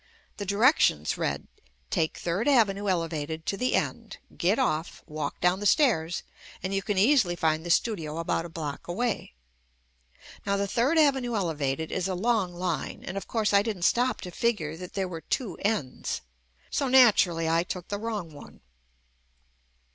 The di rections read "Take Third Avenue Elevated JUST ME to the end, get off, walk down the stairs and you can easily find the studio about a block away," Now the Third Avenue Elevated is a long line, and of course I didn't stop to fig ure that there were two ends, so naturally I took the wrong one.